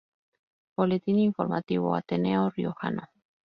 Boletín Informativo Ateneo Riojano.